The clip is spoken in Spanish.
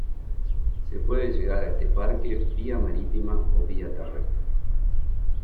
Se puede llegar a este parque vía marítima o vía terrestre.